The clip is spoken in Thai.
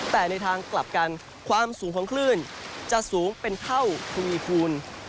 แต่ในทางกลับกันความสูงของคลื่นจะสูงเป็นเท่าทวีคูณ